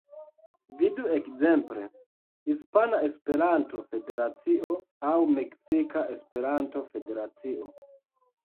Vidu ekzemple Hispana Esperanto-Federacio aŭ Meksika Esperanto-Federacio.